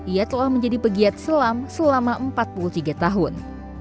ia telah menjadi pegiat selam selama empat puluh tiga tahun